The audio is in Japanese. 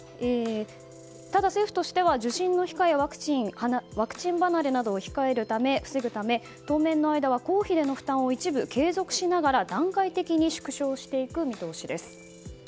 ただ、政府としては受診控えやワクチン離れなどを防ぐため当面の間は公費での負担を一部継続しながら段階的に縮小していく見通しです。